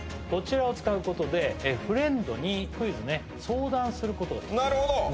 こちらを使うことでフレンドにクイズ相談することができるなるほど！